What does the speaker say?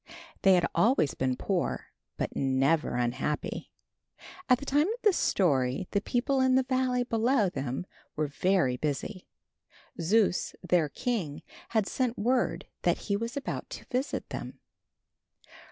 They had always been poor but never unhappy. At the time of this story the people in the valley below them were very busy. Zeus, their king, had sent word that he was about to visit them.